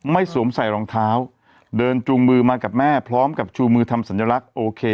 สวมใส่รองเท้าเดินจูงมือมากับแม่พร้อมกับชูมือทำสัญลักษณ์โอเค